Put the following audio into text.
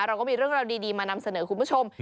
เราก็มีเรื่องราวดีมานำเสนอคุณผู้ชม